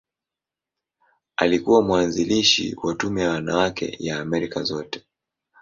Alikuwa mwanzilishi wa Tume ya Wanawake ya Amerika Zote.